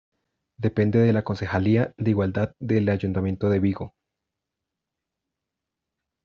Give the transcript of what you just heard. Depende de la Concejalía de Igualdad del Ayuntamiento de Vigo.